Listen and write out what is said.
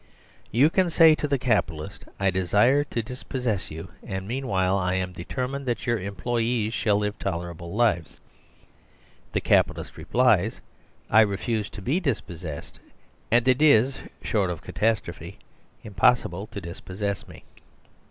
You can say to the Capitalist :" I desire to dis 124 MAKING FOR SERVILE STATE possess you, and meanwhile I am determined that your employees shall live tolerable lives." The Capi talist replies :" I refuse to be dispossessed, and it is, short of catastrophe, impossible to dispossess me.